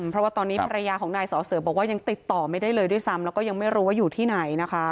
เพราะว่าตอนนี้ภรรยาของนายสอเสือบอกว่ายังติดต่อไม่ได้เลยด้วยซ้ำแล้วก็ยังไม่รู้ว่าอยู่ที่ไหนนะคะ